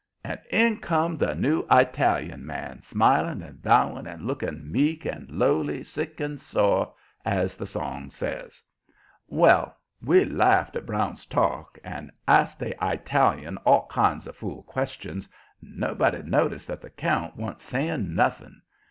And in come the new Italian man, smiling and bowing and looking "meek and lowly, sick and sore," as the song says. Well, we laughed at Brown's talk and asked the Italian all kinds of fool questions and nobody noticed that the count wan't saying nothing.